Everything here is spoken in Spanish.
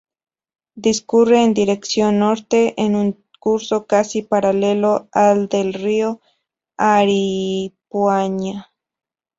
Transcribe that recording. Discurre en dirección norte, en un curso casi paralelo al del río Aripuanã.